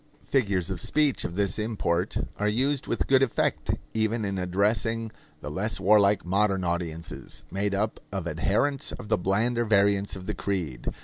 Figures of speech of this import are used with good effect even in addressing the less warlike modern audiences, made up of adherents of the blander variants of the creed.